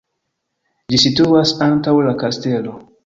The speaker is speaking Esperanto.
Ĝi situas antaŭ la kastelo.